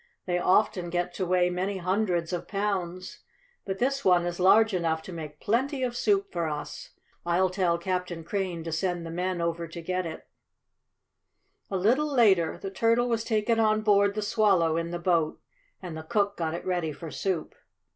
"They often get to weigh many hundreds of pounds. But this one is large enough to make plenty of soup for us. I'll tell Captain Crane to send the men over to get it." A little later the turtle was taken on board the Swallow in the boat, and the cook got it ready for soup.